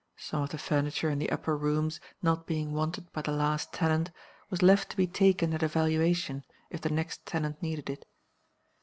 Some of the furniture in the upper rooms, not being wanted by the last tenant, was left to be taken at a valuation if the next tenant needed it.